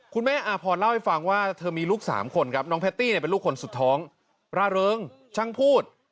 อาพรเล่าให้ฟังว่าเธอมีลูก๓คนครับน้องแพตตี้เป็นลูกคนสุดท้องร่าเริงช่างพูด